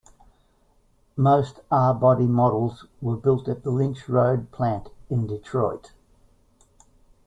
Most R-body models were built at the Lynch Road Plant in Detroit.